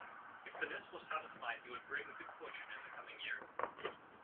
If the Nisse was satisfied he would bring good fortune in the coming year.